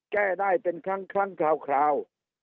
แก้ได้เป็นครั้งครั้งคราวคราว